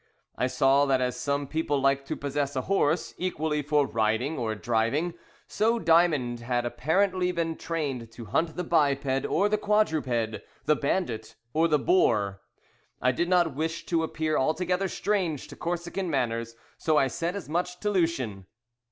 I saw that as some people like to possess a horse, equally for riding or driving, so Diamond had apparently been trained to hunt the biped or the quadruped, the bandit or the boar. I did not wish to appear altogether strange to Corsican manners, so I said as much to Lucien.